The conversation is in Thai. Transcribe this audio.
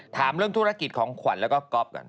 ถามเรื่องธุรกิจของขวัญแล้วก็ก๊อฟกัน